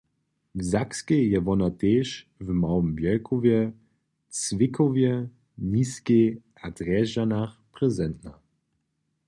W Sakskej je wona tež w Małym Wjelkowje, Zwickauwje, Niskej a Drježdźanach prezentna.